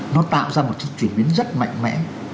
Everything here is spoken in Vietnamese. nó tạo ra một chuyển biến rất mạnh mẽ